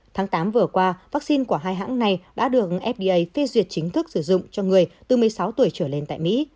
tháng tám vừa qua vaccine của hai hãng này đã được fda phê duyệt chính thức sử dụng cho người từ một mươi sáu tuổi trở lên tại mỹ